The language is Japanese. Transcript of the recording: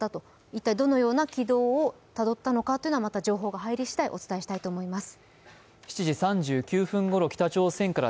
一体どのような軌道をたどったのかというのはまた情報が入りしだいお伝えします。